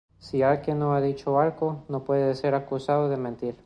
Si alguien no ha dicho algo, no puede ser acusado de mentir.